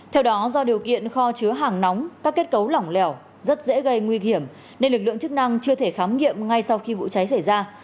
theo đó do điều kiện kho chứa hàng nóng các kết cấu lỏng lẻo rất dễ gây nguy hiểm nên lực lượng chức năng chưa thể khám nghiệm ngay sau khi vụ cháy xảy ra